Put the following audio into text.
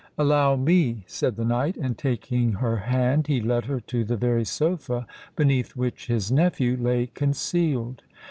"Allow me," said the knight; and taking her hand, he led her to the very sofa beneath which his nephew lay concealed.